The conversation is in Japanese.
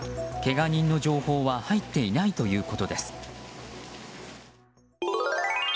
けが人の情報は入っていないということです。